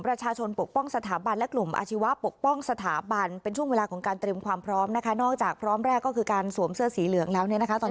เพราะฉะนั้นตรงนี้ผมว่ามันจะไม่สายเกินไปนะครับ